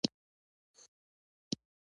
د څنګ ملګري راته وویل چې عسکري جبری ده.